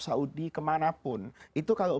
saudi kemanapun itu kalau